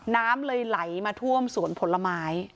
น้ำเลยไหลมาท่วมสวนผลไม้